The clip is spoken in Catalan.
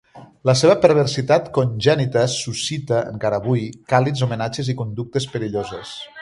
La seva perversitat congènita suscita, encara avui, càlids homenatges i conductes perilloses.